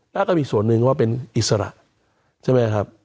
แล้วก็มีส่วนหนึ่งว่าเป็นอิสระใช่ไหมครับ